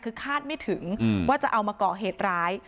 คือคาดไม่ถึงว่าจะเอามาก่อเหตุร้าย